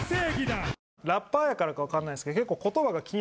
ラッパーやからか分かんないですけど結構。